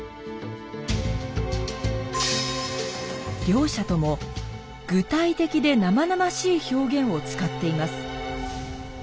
両者とも「具体的で生々しい表現」を使っています。